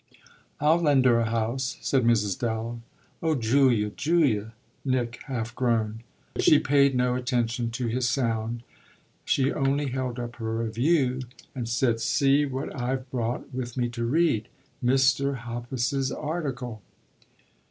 "I'll lend her a house," said Mrs. Dallow. "Oh Julia, Julia!" Nick half groaned. But she paid no attention to his sound; she only held up her review and said: "See what I've brought with me to read Mr. Hoppus's article."